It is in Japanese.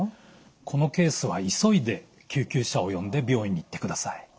このケースは急いで救急車を呼んで病院に行ってください。